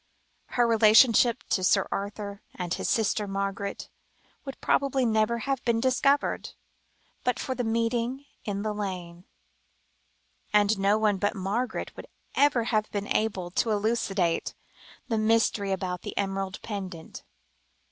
Her relationship to Sir Arthur and his sister Margaret, would probably never have been discovered, but for that meeting in the lane; and no one but Margaret would ever have been able to elucidate the mystery about the emerald pendant.